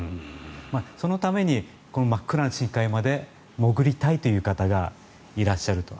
そのために真っ暗な深海まで潜りたいという方がいらっしゃると。